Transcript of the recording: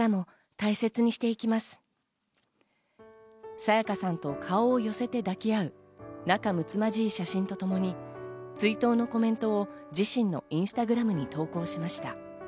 沙也加さんと顔を寄せて抱き合い、仲睦まじい写真とともに追悼のコメントを自身のインスタグラムに投稿しました。